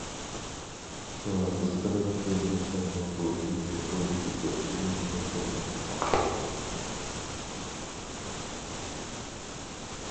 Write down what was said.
شۇڭا قىزىقىدىغان قېرىنداشلارنىڭ بۇ تېمىنى ئويلىشىپ بېقىشىنى ئۈمىد قىلىمەن.